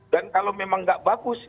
dan kalau memang gak bagus